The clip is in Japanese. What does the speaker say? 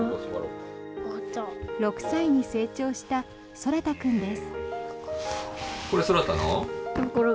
６歳に成長した空太君です。